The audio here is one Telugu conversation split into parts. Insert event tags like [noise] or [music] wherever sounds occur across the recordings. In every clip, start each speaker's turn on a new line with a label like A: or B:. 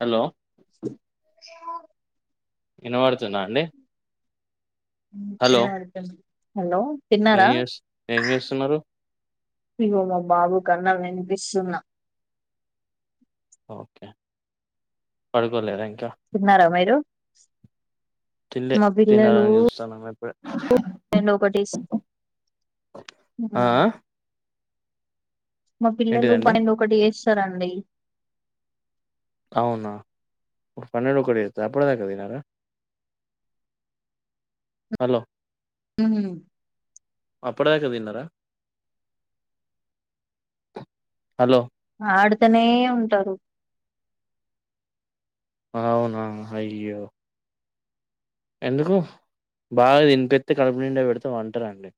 A: హలో వినపడుతుందా అండి హలో
B: హలో తిన్నార
A: ఏం చేస్ ఏం చేస్తున్నారు
B: ఇగో మా బాబు కన్న విస్తున్న
A: ఓకె పడుకోలేద ఇం
B: తిన్నార మీరు
A: తిన్లే తినాలని చూస్తున్న మర్
B: దాన్నో ఒకటేస్ ఉహు
A: ఆ ఆ
B: మా పిల్లలు
A: ఏంటిదండి
B: పైన ఒకటి ఎస్ ఇస్తరండి
A: అవున ఒక్ పన్నెడు అప్పుడిగ తినరా హలో
B: ఉహు
A: అప్పడుదాక తిన్నారా హలో
B: ఆడుతనే ఉంటారు
A: అ అవున అయ్యో ఎందుకు బాగ తినిపెతై కడుపు నిండ పెడితె ఉంటరు అండి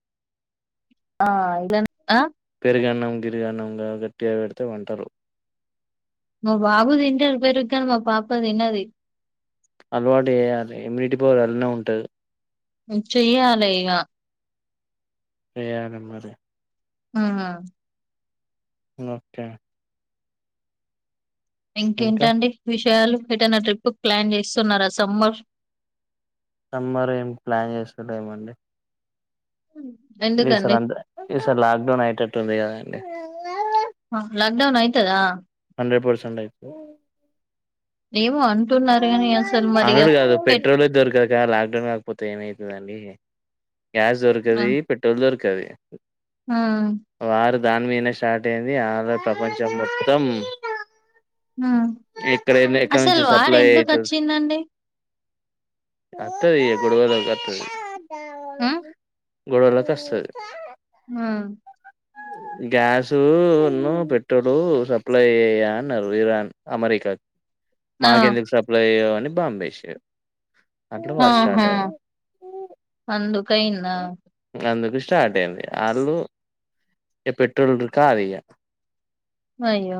B: ఆ ఇలా నె ఆ
A: పెరిగన్నం గిరిగన్న గా గట్టిగా పెడితే ఉంటారు
B: మా బాబు తింటారు పెరుగన్నం మా పాప తిన్నది
A: అలవాటు చేయాలె ఇమ్యూనిటీ పవర్ అందులోనే ఉంటుంది
B: చెయ్యాలె ఇగా
A: చేయాలె మరి
B: హా
A: ఒకే ఇంకా
B: ఇంకేంటండి విషయాలు ఎటైన ట్రిప్పుక్ ప్లాన్ చేస్తున్నార సమ్మర్
A: సమ్మర్ ఏం ప్లాన్ చేస్తలేమండి ఇది సార్
B: ఎందుకండి
A: అంద ఈ సార్ లాక్ డౌన్ అయిటట్ [unintelligible]
B: లాక్డౌన్ అయితదా
A: హండ్రెడ్ పర్సెంట్ ఆయితది
B: ఏముో అను
A: అనడు కాదు పెట్రోల్ దొరకదు కద లాక్డౌన్ కాకపోతే ఏమయితుందండి గ్యాస్
B: ఆ
A: దొరకది పెట్రోల్ దొరుక్ కది
B: ఆ
A: దాన్ మీద్నె స్టార్ట్ అయి్యంది ఆంధ్ర ప్రపంచం మొత్తం ఎక్కడయిన ఎక్కడ నుంచి స
B: అరె ఎందుకు వచ్చిందండి
A: అత్తయిగ గొడవ తగ్గట్లేదు
B: ఉమ్
A: గొడవలకి ఒస్తది
B: ఆ
A: గ్యాసు ను పెట్రోలు సప్లై అయ్యాయా అన్నారు ఇరాన్ అమెరికాకి
B: ఆ
A: నాకెందుకు సప్లై ఎయవ్ అని అని బాంబేషిరు
B: ఆహా అందుకైందా
A: అందుకు స్టార్ట్ అయింది ఆళ్ళు ఏ పెట్రోల్ ఉండుడు కాదిగా
B: అయ్యో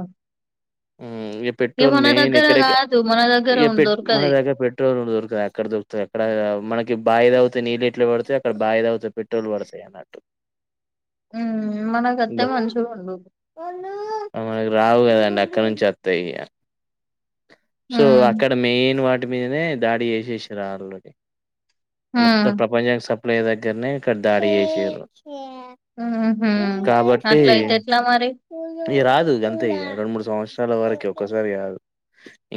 A: ఊ ఇక
B: ఇగ
A: పెట్రోల్
B: మన
A: మెయిన్
B: దగ్గర
A: ఎక్కడ ఎక్కడ
B: కాదు మన దగ్గర
A: ఇ
B: ఉన్
A: పె మన
B: దొరకది
A: దగ్గర పెట్రోల్ దొరుకుతుంది అక్కడ దొరుకుతుంది అక్కడ మనకి ఇ బాయి అవుతే నీళ్ళు ఎట్లా పడుతాయి అక్కడ బాయి తవుతే పెట్రోలు పడతాయి అన్నట్టు
B: ఉ మనకత్తే మంచిగా ఉండు
A: మనకు రావు కదండి అక్కడ నుంచి ఒత్తయి ఇగ సో
B: ఉమ్
A: అక్కడ మెయిన్ వాటి ఇంటి మీదనే దాడి చేసేసిరు ఆల్ రెడీ మొత్తం
B: ఉమ్
A: ప్రపంచానికి స ప్లై దగ్గరనే ఇక్కడ దాడి చేసిర్రు
B: ఉహు
A: కాబట్టి
B: అట్లయితే ఎట్లా మరి
A: ఇగ రాదు గంతే ఇగ రెండు మూడు సంవత్సరాల వరకి ఒక్కసారి కాదు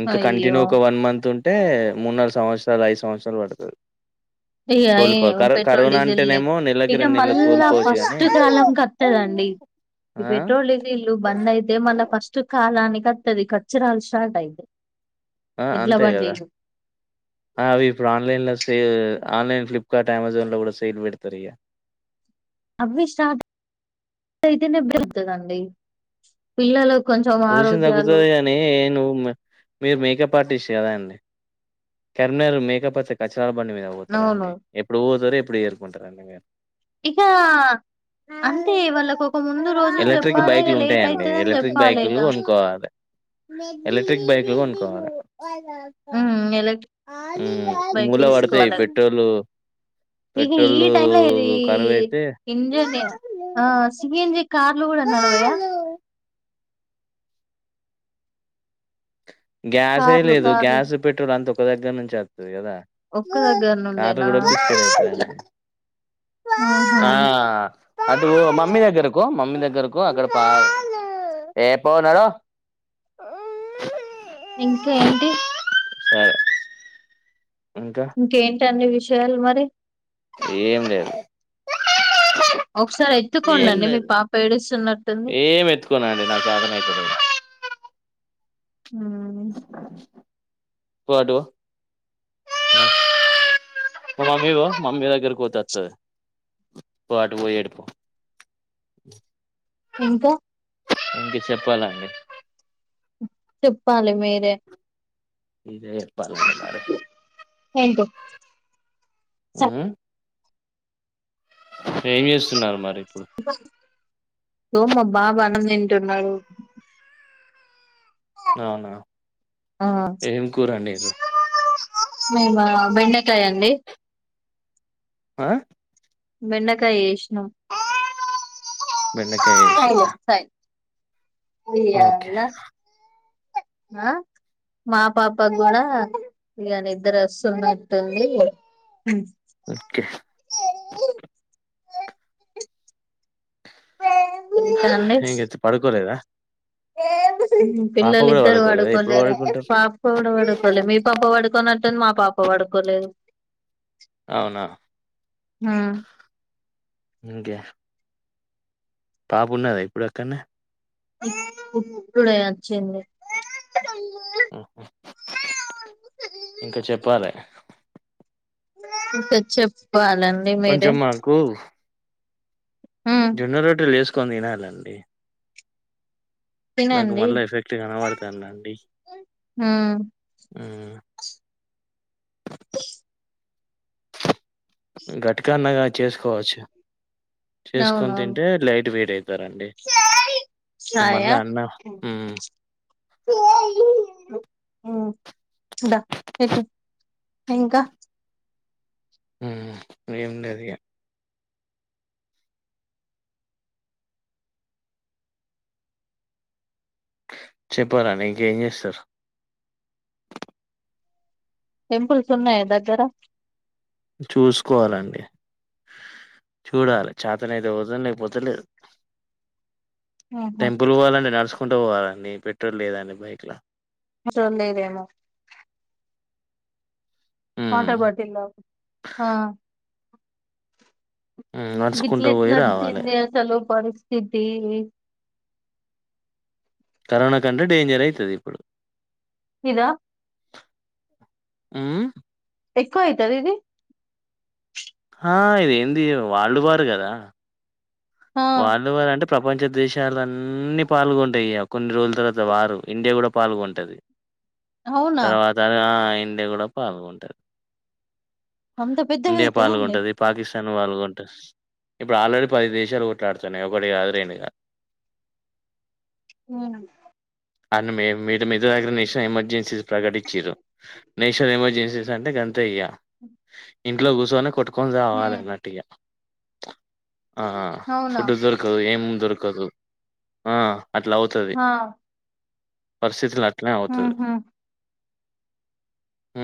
A: ఇంకా కంటిన్యూ
B: అయ్యో
A: ఒక వన్ మంత్ ఉం అంటే మూనాలుగు సంవత్సరాలు ఐదు సంవత్సరాలు పడుతది
B: ఇగ
A: కోలుకో
B: ఏవో
A: కరో
B: పెట్రోల్
A: కరోనా
B: డీజెల్ లే
A: అంటేనేమో నెలకి
B: ఇక
A: రెండు నెలలకు
B: మళ్ళా
A: కోలుకోవచ్చు గాని
B: ఫస్ట్ కాలం క దండి
A: ఆ
B: ఈ పెట్రోల్ డీజిల్ బంద అయితే మళ్ళ ఫస్ట్ కాలానికి అత్తది కచ్చరాలు స్టార్ట్ అయితయ్
A: ఆ అంతే కదా ఆ అవి ఇప్పుడు ఆన్లైన్ లో సే ఆన్లైన్ ఫ్లిప్కార్ట్ అమెజాన్ లో కూడా సెల్ పెడతారు ఇగ
B: అవి స్టార్ట్ అయి తేనె బతుకందండి పిల్లలకు
A: పొల్యూషన్ తగ్గుతుంది కాని ను మీరు మేకప్ ఆర్టిస్ట్ కదా అండి కరీంనగర్ మేకప్ ఒస్తే కచ్ గా బండి మీద పోతారా
B: అవును
A: అండి ఎప్పుడు పోతారు ఎప్ ఎప్పుడు ఏరుకుంటరండి మీరు
B: ఇక అంతే వాళ్ళకు ఒక ముందు రోజులు చెప్పాలే ఇగ లేట్ అయితదని చెప్పాలె.
A: ఇల్లు కొనుకోవాలె ఎలక్ట్రిక్ బైక్ లు కొనుకోవాలె
B: హ్మ్ ఎలెక్ట్రిక్
A: మ్మ్
B: బైక్
A: మూల పడతాయి
B: తీసుకోవాలె
A: పెట్రోల్
B: ఇగ ఈ
A: పెట్రోల్
B: టైమ్ లో ఇది
A: కరువైతే
B: ఇంజని ఆ సిఎన్జి కార్ బండ్లు గూడా నడవయ
A: గ్యాసే
B: కార్లు
A: లేదు
B: కార్లు
A: గ్యాస్ పెట్రోల్ అంతం కొదగ్గనుంచద్ అది గదా
B: ఒక్క దగ్గర
A: కార్ల్
B: నుండేనా
A: గుడా [unintelligible]
B: ఆ హా
A: అటు బో మమ్మీ దగ్గరకు మమ్మీ దగ్గరకు అక్కడ పాలు ఏపో నడు
B: ఇంక ఏంటి
A: సరే ఇంకా
B: టన్ని విషయాలు మరి
A: ఏం లేదు
B: ఒకసారి
A: ఏం
B: ఎత్తుకోండండి మీ
A: లేదు
B: పాప ఏడుస్తున్నట్టుంది
A: ఏం ఎత్తుకోనండి నాకు చేతనైతలేదు
B: హ్మ్
A: పో అటు పో మమ్మీ పో మమ్మీ దగ్గరకి పోతే అత్తది పో అటు పొయి ఏడుపో
B: ఇంకా
A: ప్పాలండి
B: చెప్పాలి మీరే
A: మీరే జెప్పాలండి మరి
B: ఏంటి
A: మ్మ్ ఏం చేస్తున్నారు మరి ఇప్పుడు
B: [unintelligible] పోమ్మా బాబు అన్నం తింటున్నాడు
A: అవునా
B: ఆ
A: ఏం కూర అండిర్రు
B: మేమా బెండకాయండి
A: ఆ
B: బెండకాయ చేషినాం
A: బెండకాయ్ ఏషిర్రా
B: ఉయ్యాల ఆ మా పాపగ్గూడా ఇగ నిద్దరస్తున్నట్టుంది
A: ఓకే ఏం గచ్చి పడుకోలేద
B: ఏ పిల్లలు
A: కూడా
B: ఇద్దరు
A: పడుకోలేదా ఎప్పుడు
B: పడుకోలేరు
A: పడుకుంటారు
B: పాపోడు పడుకోలే మీ పాప పడుకోన టన్ మా పాప పడుకోలేదు
A: అవునా
B: హ్మ్
A: ఇంకే పాపున్నదా ఇప్పుడు అక్కడ్నే
B: ఇప్పుడే వచ్చింది
A: ఉ ఇంక చెప్పాలే
B: ఒకె చెప్ వాళండి మీరే
A: కొంచెం మాకు
B: హ్మ్
A: కొని తినాలండి నాకు
B: తినండి
A: మళ్ళ ఎఫెక్ట్ కనపడతాందండి
B: హ్మ్
A: ఉ గట్కన్నగా చేసుకోవచ్చు చేసుకొని
B: అవునవును
A: తింటే లైట్ వెయిటె తరండి మళ్ళ అన్న
B: ఉ ద పెటు ఇంక
A: ఉ ఏం లేదు ఇగ చెప్పాలండి ఇంకేం చేస్తరు
B: టెంపుల్స్ ఉన్నాయా దగ్గర
A: చూసుకోవలండి చూడాలి చాతనయితే పోతం లేకపోతే లేదు
B: ఆహా
A: టెంపుల్ పోవాలంటే నడుస్ కుంటూ పోవాలండి పెట్రోల్ లేదండి బైక్ల
B: చొండు ఏరియా ల వాటర్
A: మ్మ్
B: బాటిలో ఆ
A: మ్మ్ నడుచుకుంటూ పోయి రావాలే
B: [unintelligible] లో పరిస్ సిదీ ఇ
A: కరోన కంటే డేంజరె అయితది ఇప్పుడు
B: ఇదా
A: ఊ
B: ఎక్కువ అయితది ఇది
A: ఆ ఇదేంది వాల్డ్ వరు కదా
B: ఆ
A: వాళ్ళు వాలు అంటే ప్రపంచ దేశాలన్ అన్నీ పాల్గొంటయి కొన్ని రోజుల తర్వాత వారు ఇండియ కూడ పాల్గొంటది
B: అవునా
A: తర్వాత ఆ ఇ ఇండియ కూడ పాల్గొంట
B: అంత పెద్దగా
A: ఇండియా
B: అయితదండి
A: పాల్గొంటది పాకిస్ వాళ్ళగుంట ఇప్పుడు ఆల్రెడీ పది దేశాలు ఒ లాడున్న ఒకటి కాదు రెండు కాదు
B: ఉ
A: అన్ని మే మీ మీద దగ్గర నేషనల్ ఎమర్జెన్సీస్ ప్రకటించిరు నేషనల్ ఎమర్జెన్సీస్ అంటే గంత ఇయ్యా ఇంట్లో కూసోనే కొట్టు కొని రావాలి
B: హ్మ్
A: అన్నట్టుగా [unintelligible] ఆహా
B: అవునా
A: ఫుడ్ దొరకదు ఏం దొరకదు దొరకదు ఆ అట్లా అవుతుంది
B: ఆ
A: పరిస్థితి అట్లా అవుతుంది
B: ఊహూ
A: ఉ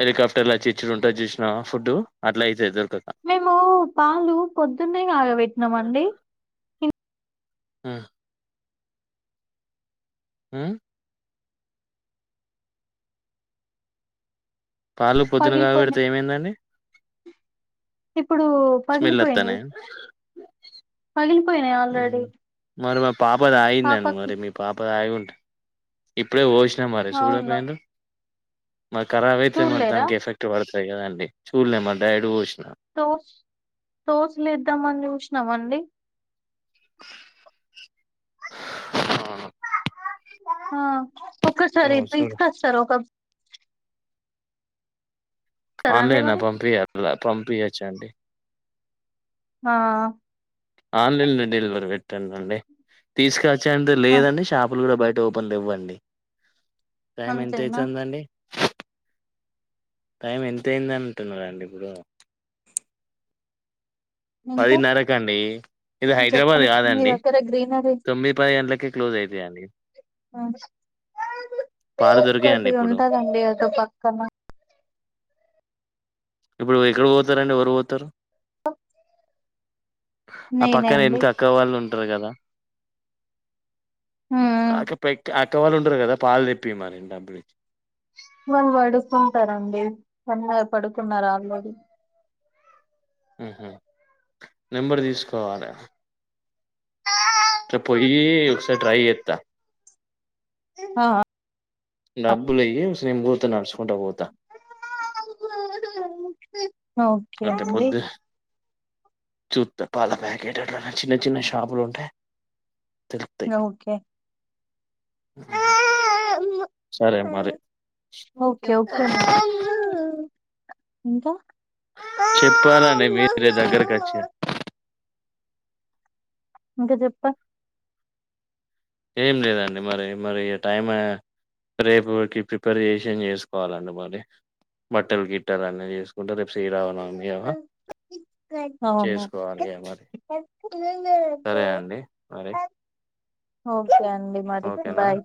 A: హెలికాప్టర్లా వచ్చి ఇచుడుంటా చూసినా ఫుడ్ అట్లా అయితే దొరు
B: మేము పాలు పొద్దు కాగా పెట్టినామండి
A: ఆ ఉ పాలు పొద్దున కాగా పెడితే
B: పగిలిపోయినాయి
A: ఏమైందండి
B: ఇప్పుడు
A: స్మెల్
B: పగిలిపోయినాయి
A: వస్తాన్నాయ
B: పగిలిపోయినాయి
A: ఉ
B: ఆల్రెడీ
A: మరి మా పాప తాగిందండి
B: పాపకి
A: మరి మీ పాప తాగి ఉంటా ఇప్పుడే పోసి మరి
B: అవునా
A: చూడపోయిండ్రు మరి కరాబ్ అయితే మరి
B: చూడలేరా
A: దనికి ఎఫెక్ట్ పడు అంతే కాదండి చూలేమంట సైడు పోసిన
B: తోస్ తోసులుద్దామని చూసినామండి
A: ఆ
B: హా ఒక్కసారి
A: ఏమో చూడు
B: పిసుకొస్తారు ఒక ఇస్తారా అండి
A: ఆన్లైన్
B: మరి
A: పంపియ్య అట్లా పంపియచ్చ అండి
B: ఆ
A: ఆన్లైన్ లో డెలివరీ పెట్టల్ల అండి తీసుక చ్చేంత
B: ఆ
A: లేదండి షాపులు కూడా బయ ఓపెన్ లేవండి టైమ్ ఎంత
B: అంతేనా
A: అవుతుందండి టైం ఎంత అయింది అంటున్నారండి ఇప్పుడు
B: ఇంకా
A: పదిన్నరకండి ఇది హైదరాబాద్
B: చెప్పండి మీ
A: కాదండి
B: దగ్గర గ్రీనరీ
A: తొమ్మిది పది గంటలకి క్లోజ్ అవుతాయండి పాలు దొరికాయండి
B: ఒక్కటి
A: ఇప్పుడు
B: ఉంటదండి అదో పక్కన
A: ఇప్పుడు ఎక్కడకి పోతారండి ఎవరు వోతారు ఆ
B: నేనే
A: పక్కన
B: అండి
A: ఎనకఅక్క వాళ్ళు ఉంటారు కదా
B: ఉమ్
A: ఆక పెక్ అ తొ. వాళ్ళు ఉంటారు కదా పాలు తెప్పి మరి డబ్లు ఇచ్చి
B: వాళ్ళు పడుకుంటారండి ఎన్న పడుకున్నారు ఆల్రెడీ
A: ఉహు నెంబర్ తీసుకోవాలి
B: ఆ
A: త పోయి ఒక సారి ట్రై చెత్తా
B: ఆ
A: నెను పోతానడుచకుంటా పోత
B: [inaudible] ఓకే అండి
A: చూత్త పాల ప్యాకెట్ అట్లానెచిన్న చిన్న షాపులు ఉంటె
B: ఓకే
A: సరే మరి
B: ఓకే ఓకే ఇంకా
A: చెప్పాలండిమీరే దగ్గరక వచి గ
B: ఇంక చెప్ప
A: ఏం లేదండి మరి మరి టైం రేపుకి ప్రిపేర్ చేసి ఏ చేసుకోవాలండి మరిబట్టలు గిట్టలు అన్నీ చేసుకుంటే రేపు సీరామ నవమి
B: అవును
A: చేసుకోవాలి ఇగ మరి సరే అండి మరి
B: ఒ సరెఅండి మరి బాయ్